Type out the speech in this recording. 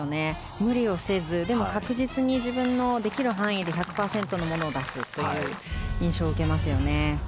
無理をせずでも、確実に自分のできる範囲で１００％のものを出すという印象を受けますよね。